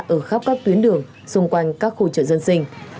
ở khắp các tuyến đường xung quanh các khu chợ dân sinh